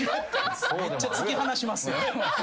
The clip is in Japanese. めっちゃ突き放しますやん。